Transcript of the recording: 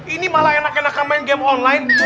ini malah enak enakan main game online